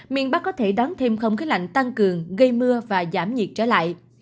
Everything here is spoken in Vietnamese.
miền bắc có thể đón thêm không khí lạnh tăng cường gây mưa và giảm nhiệt trở lại